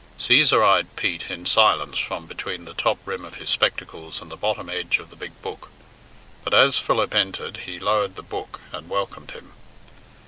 Cæsar eyed Pete in silence from between the top rim of his spectacles and the bottom edge of the big book; but as Philip entered he lowered the book and welcomed him.